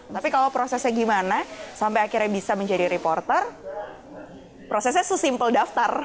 tapi kalau prosesnya gimana sampai akhirnya bisa menjadi reporter prosesnya sesimpel daftar